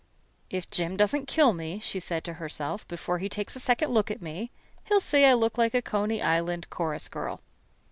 "If Jim doesn't kill me," she said to herself, "before he takes a second look at me, he'll say I look like a Coney Island chorus girl.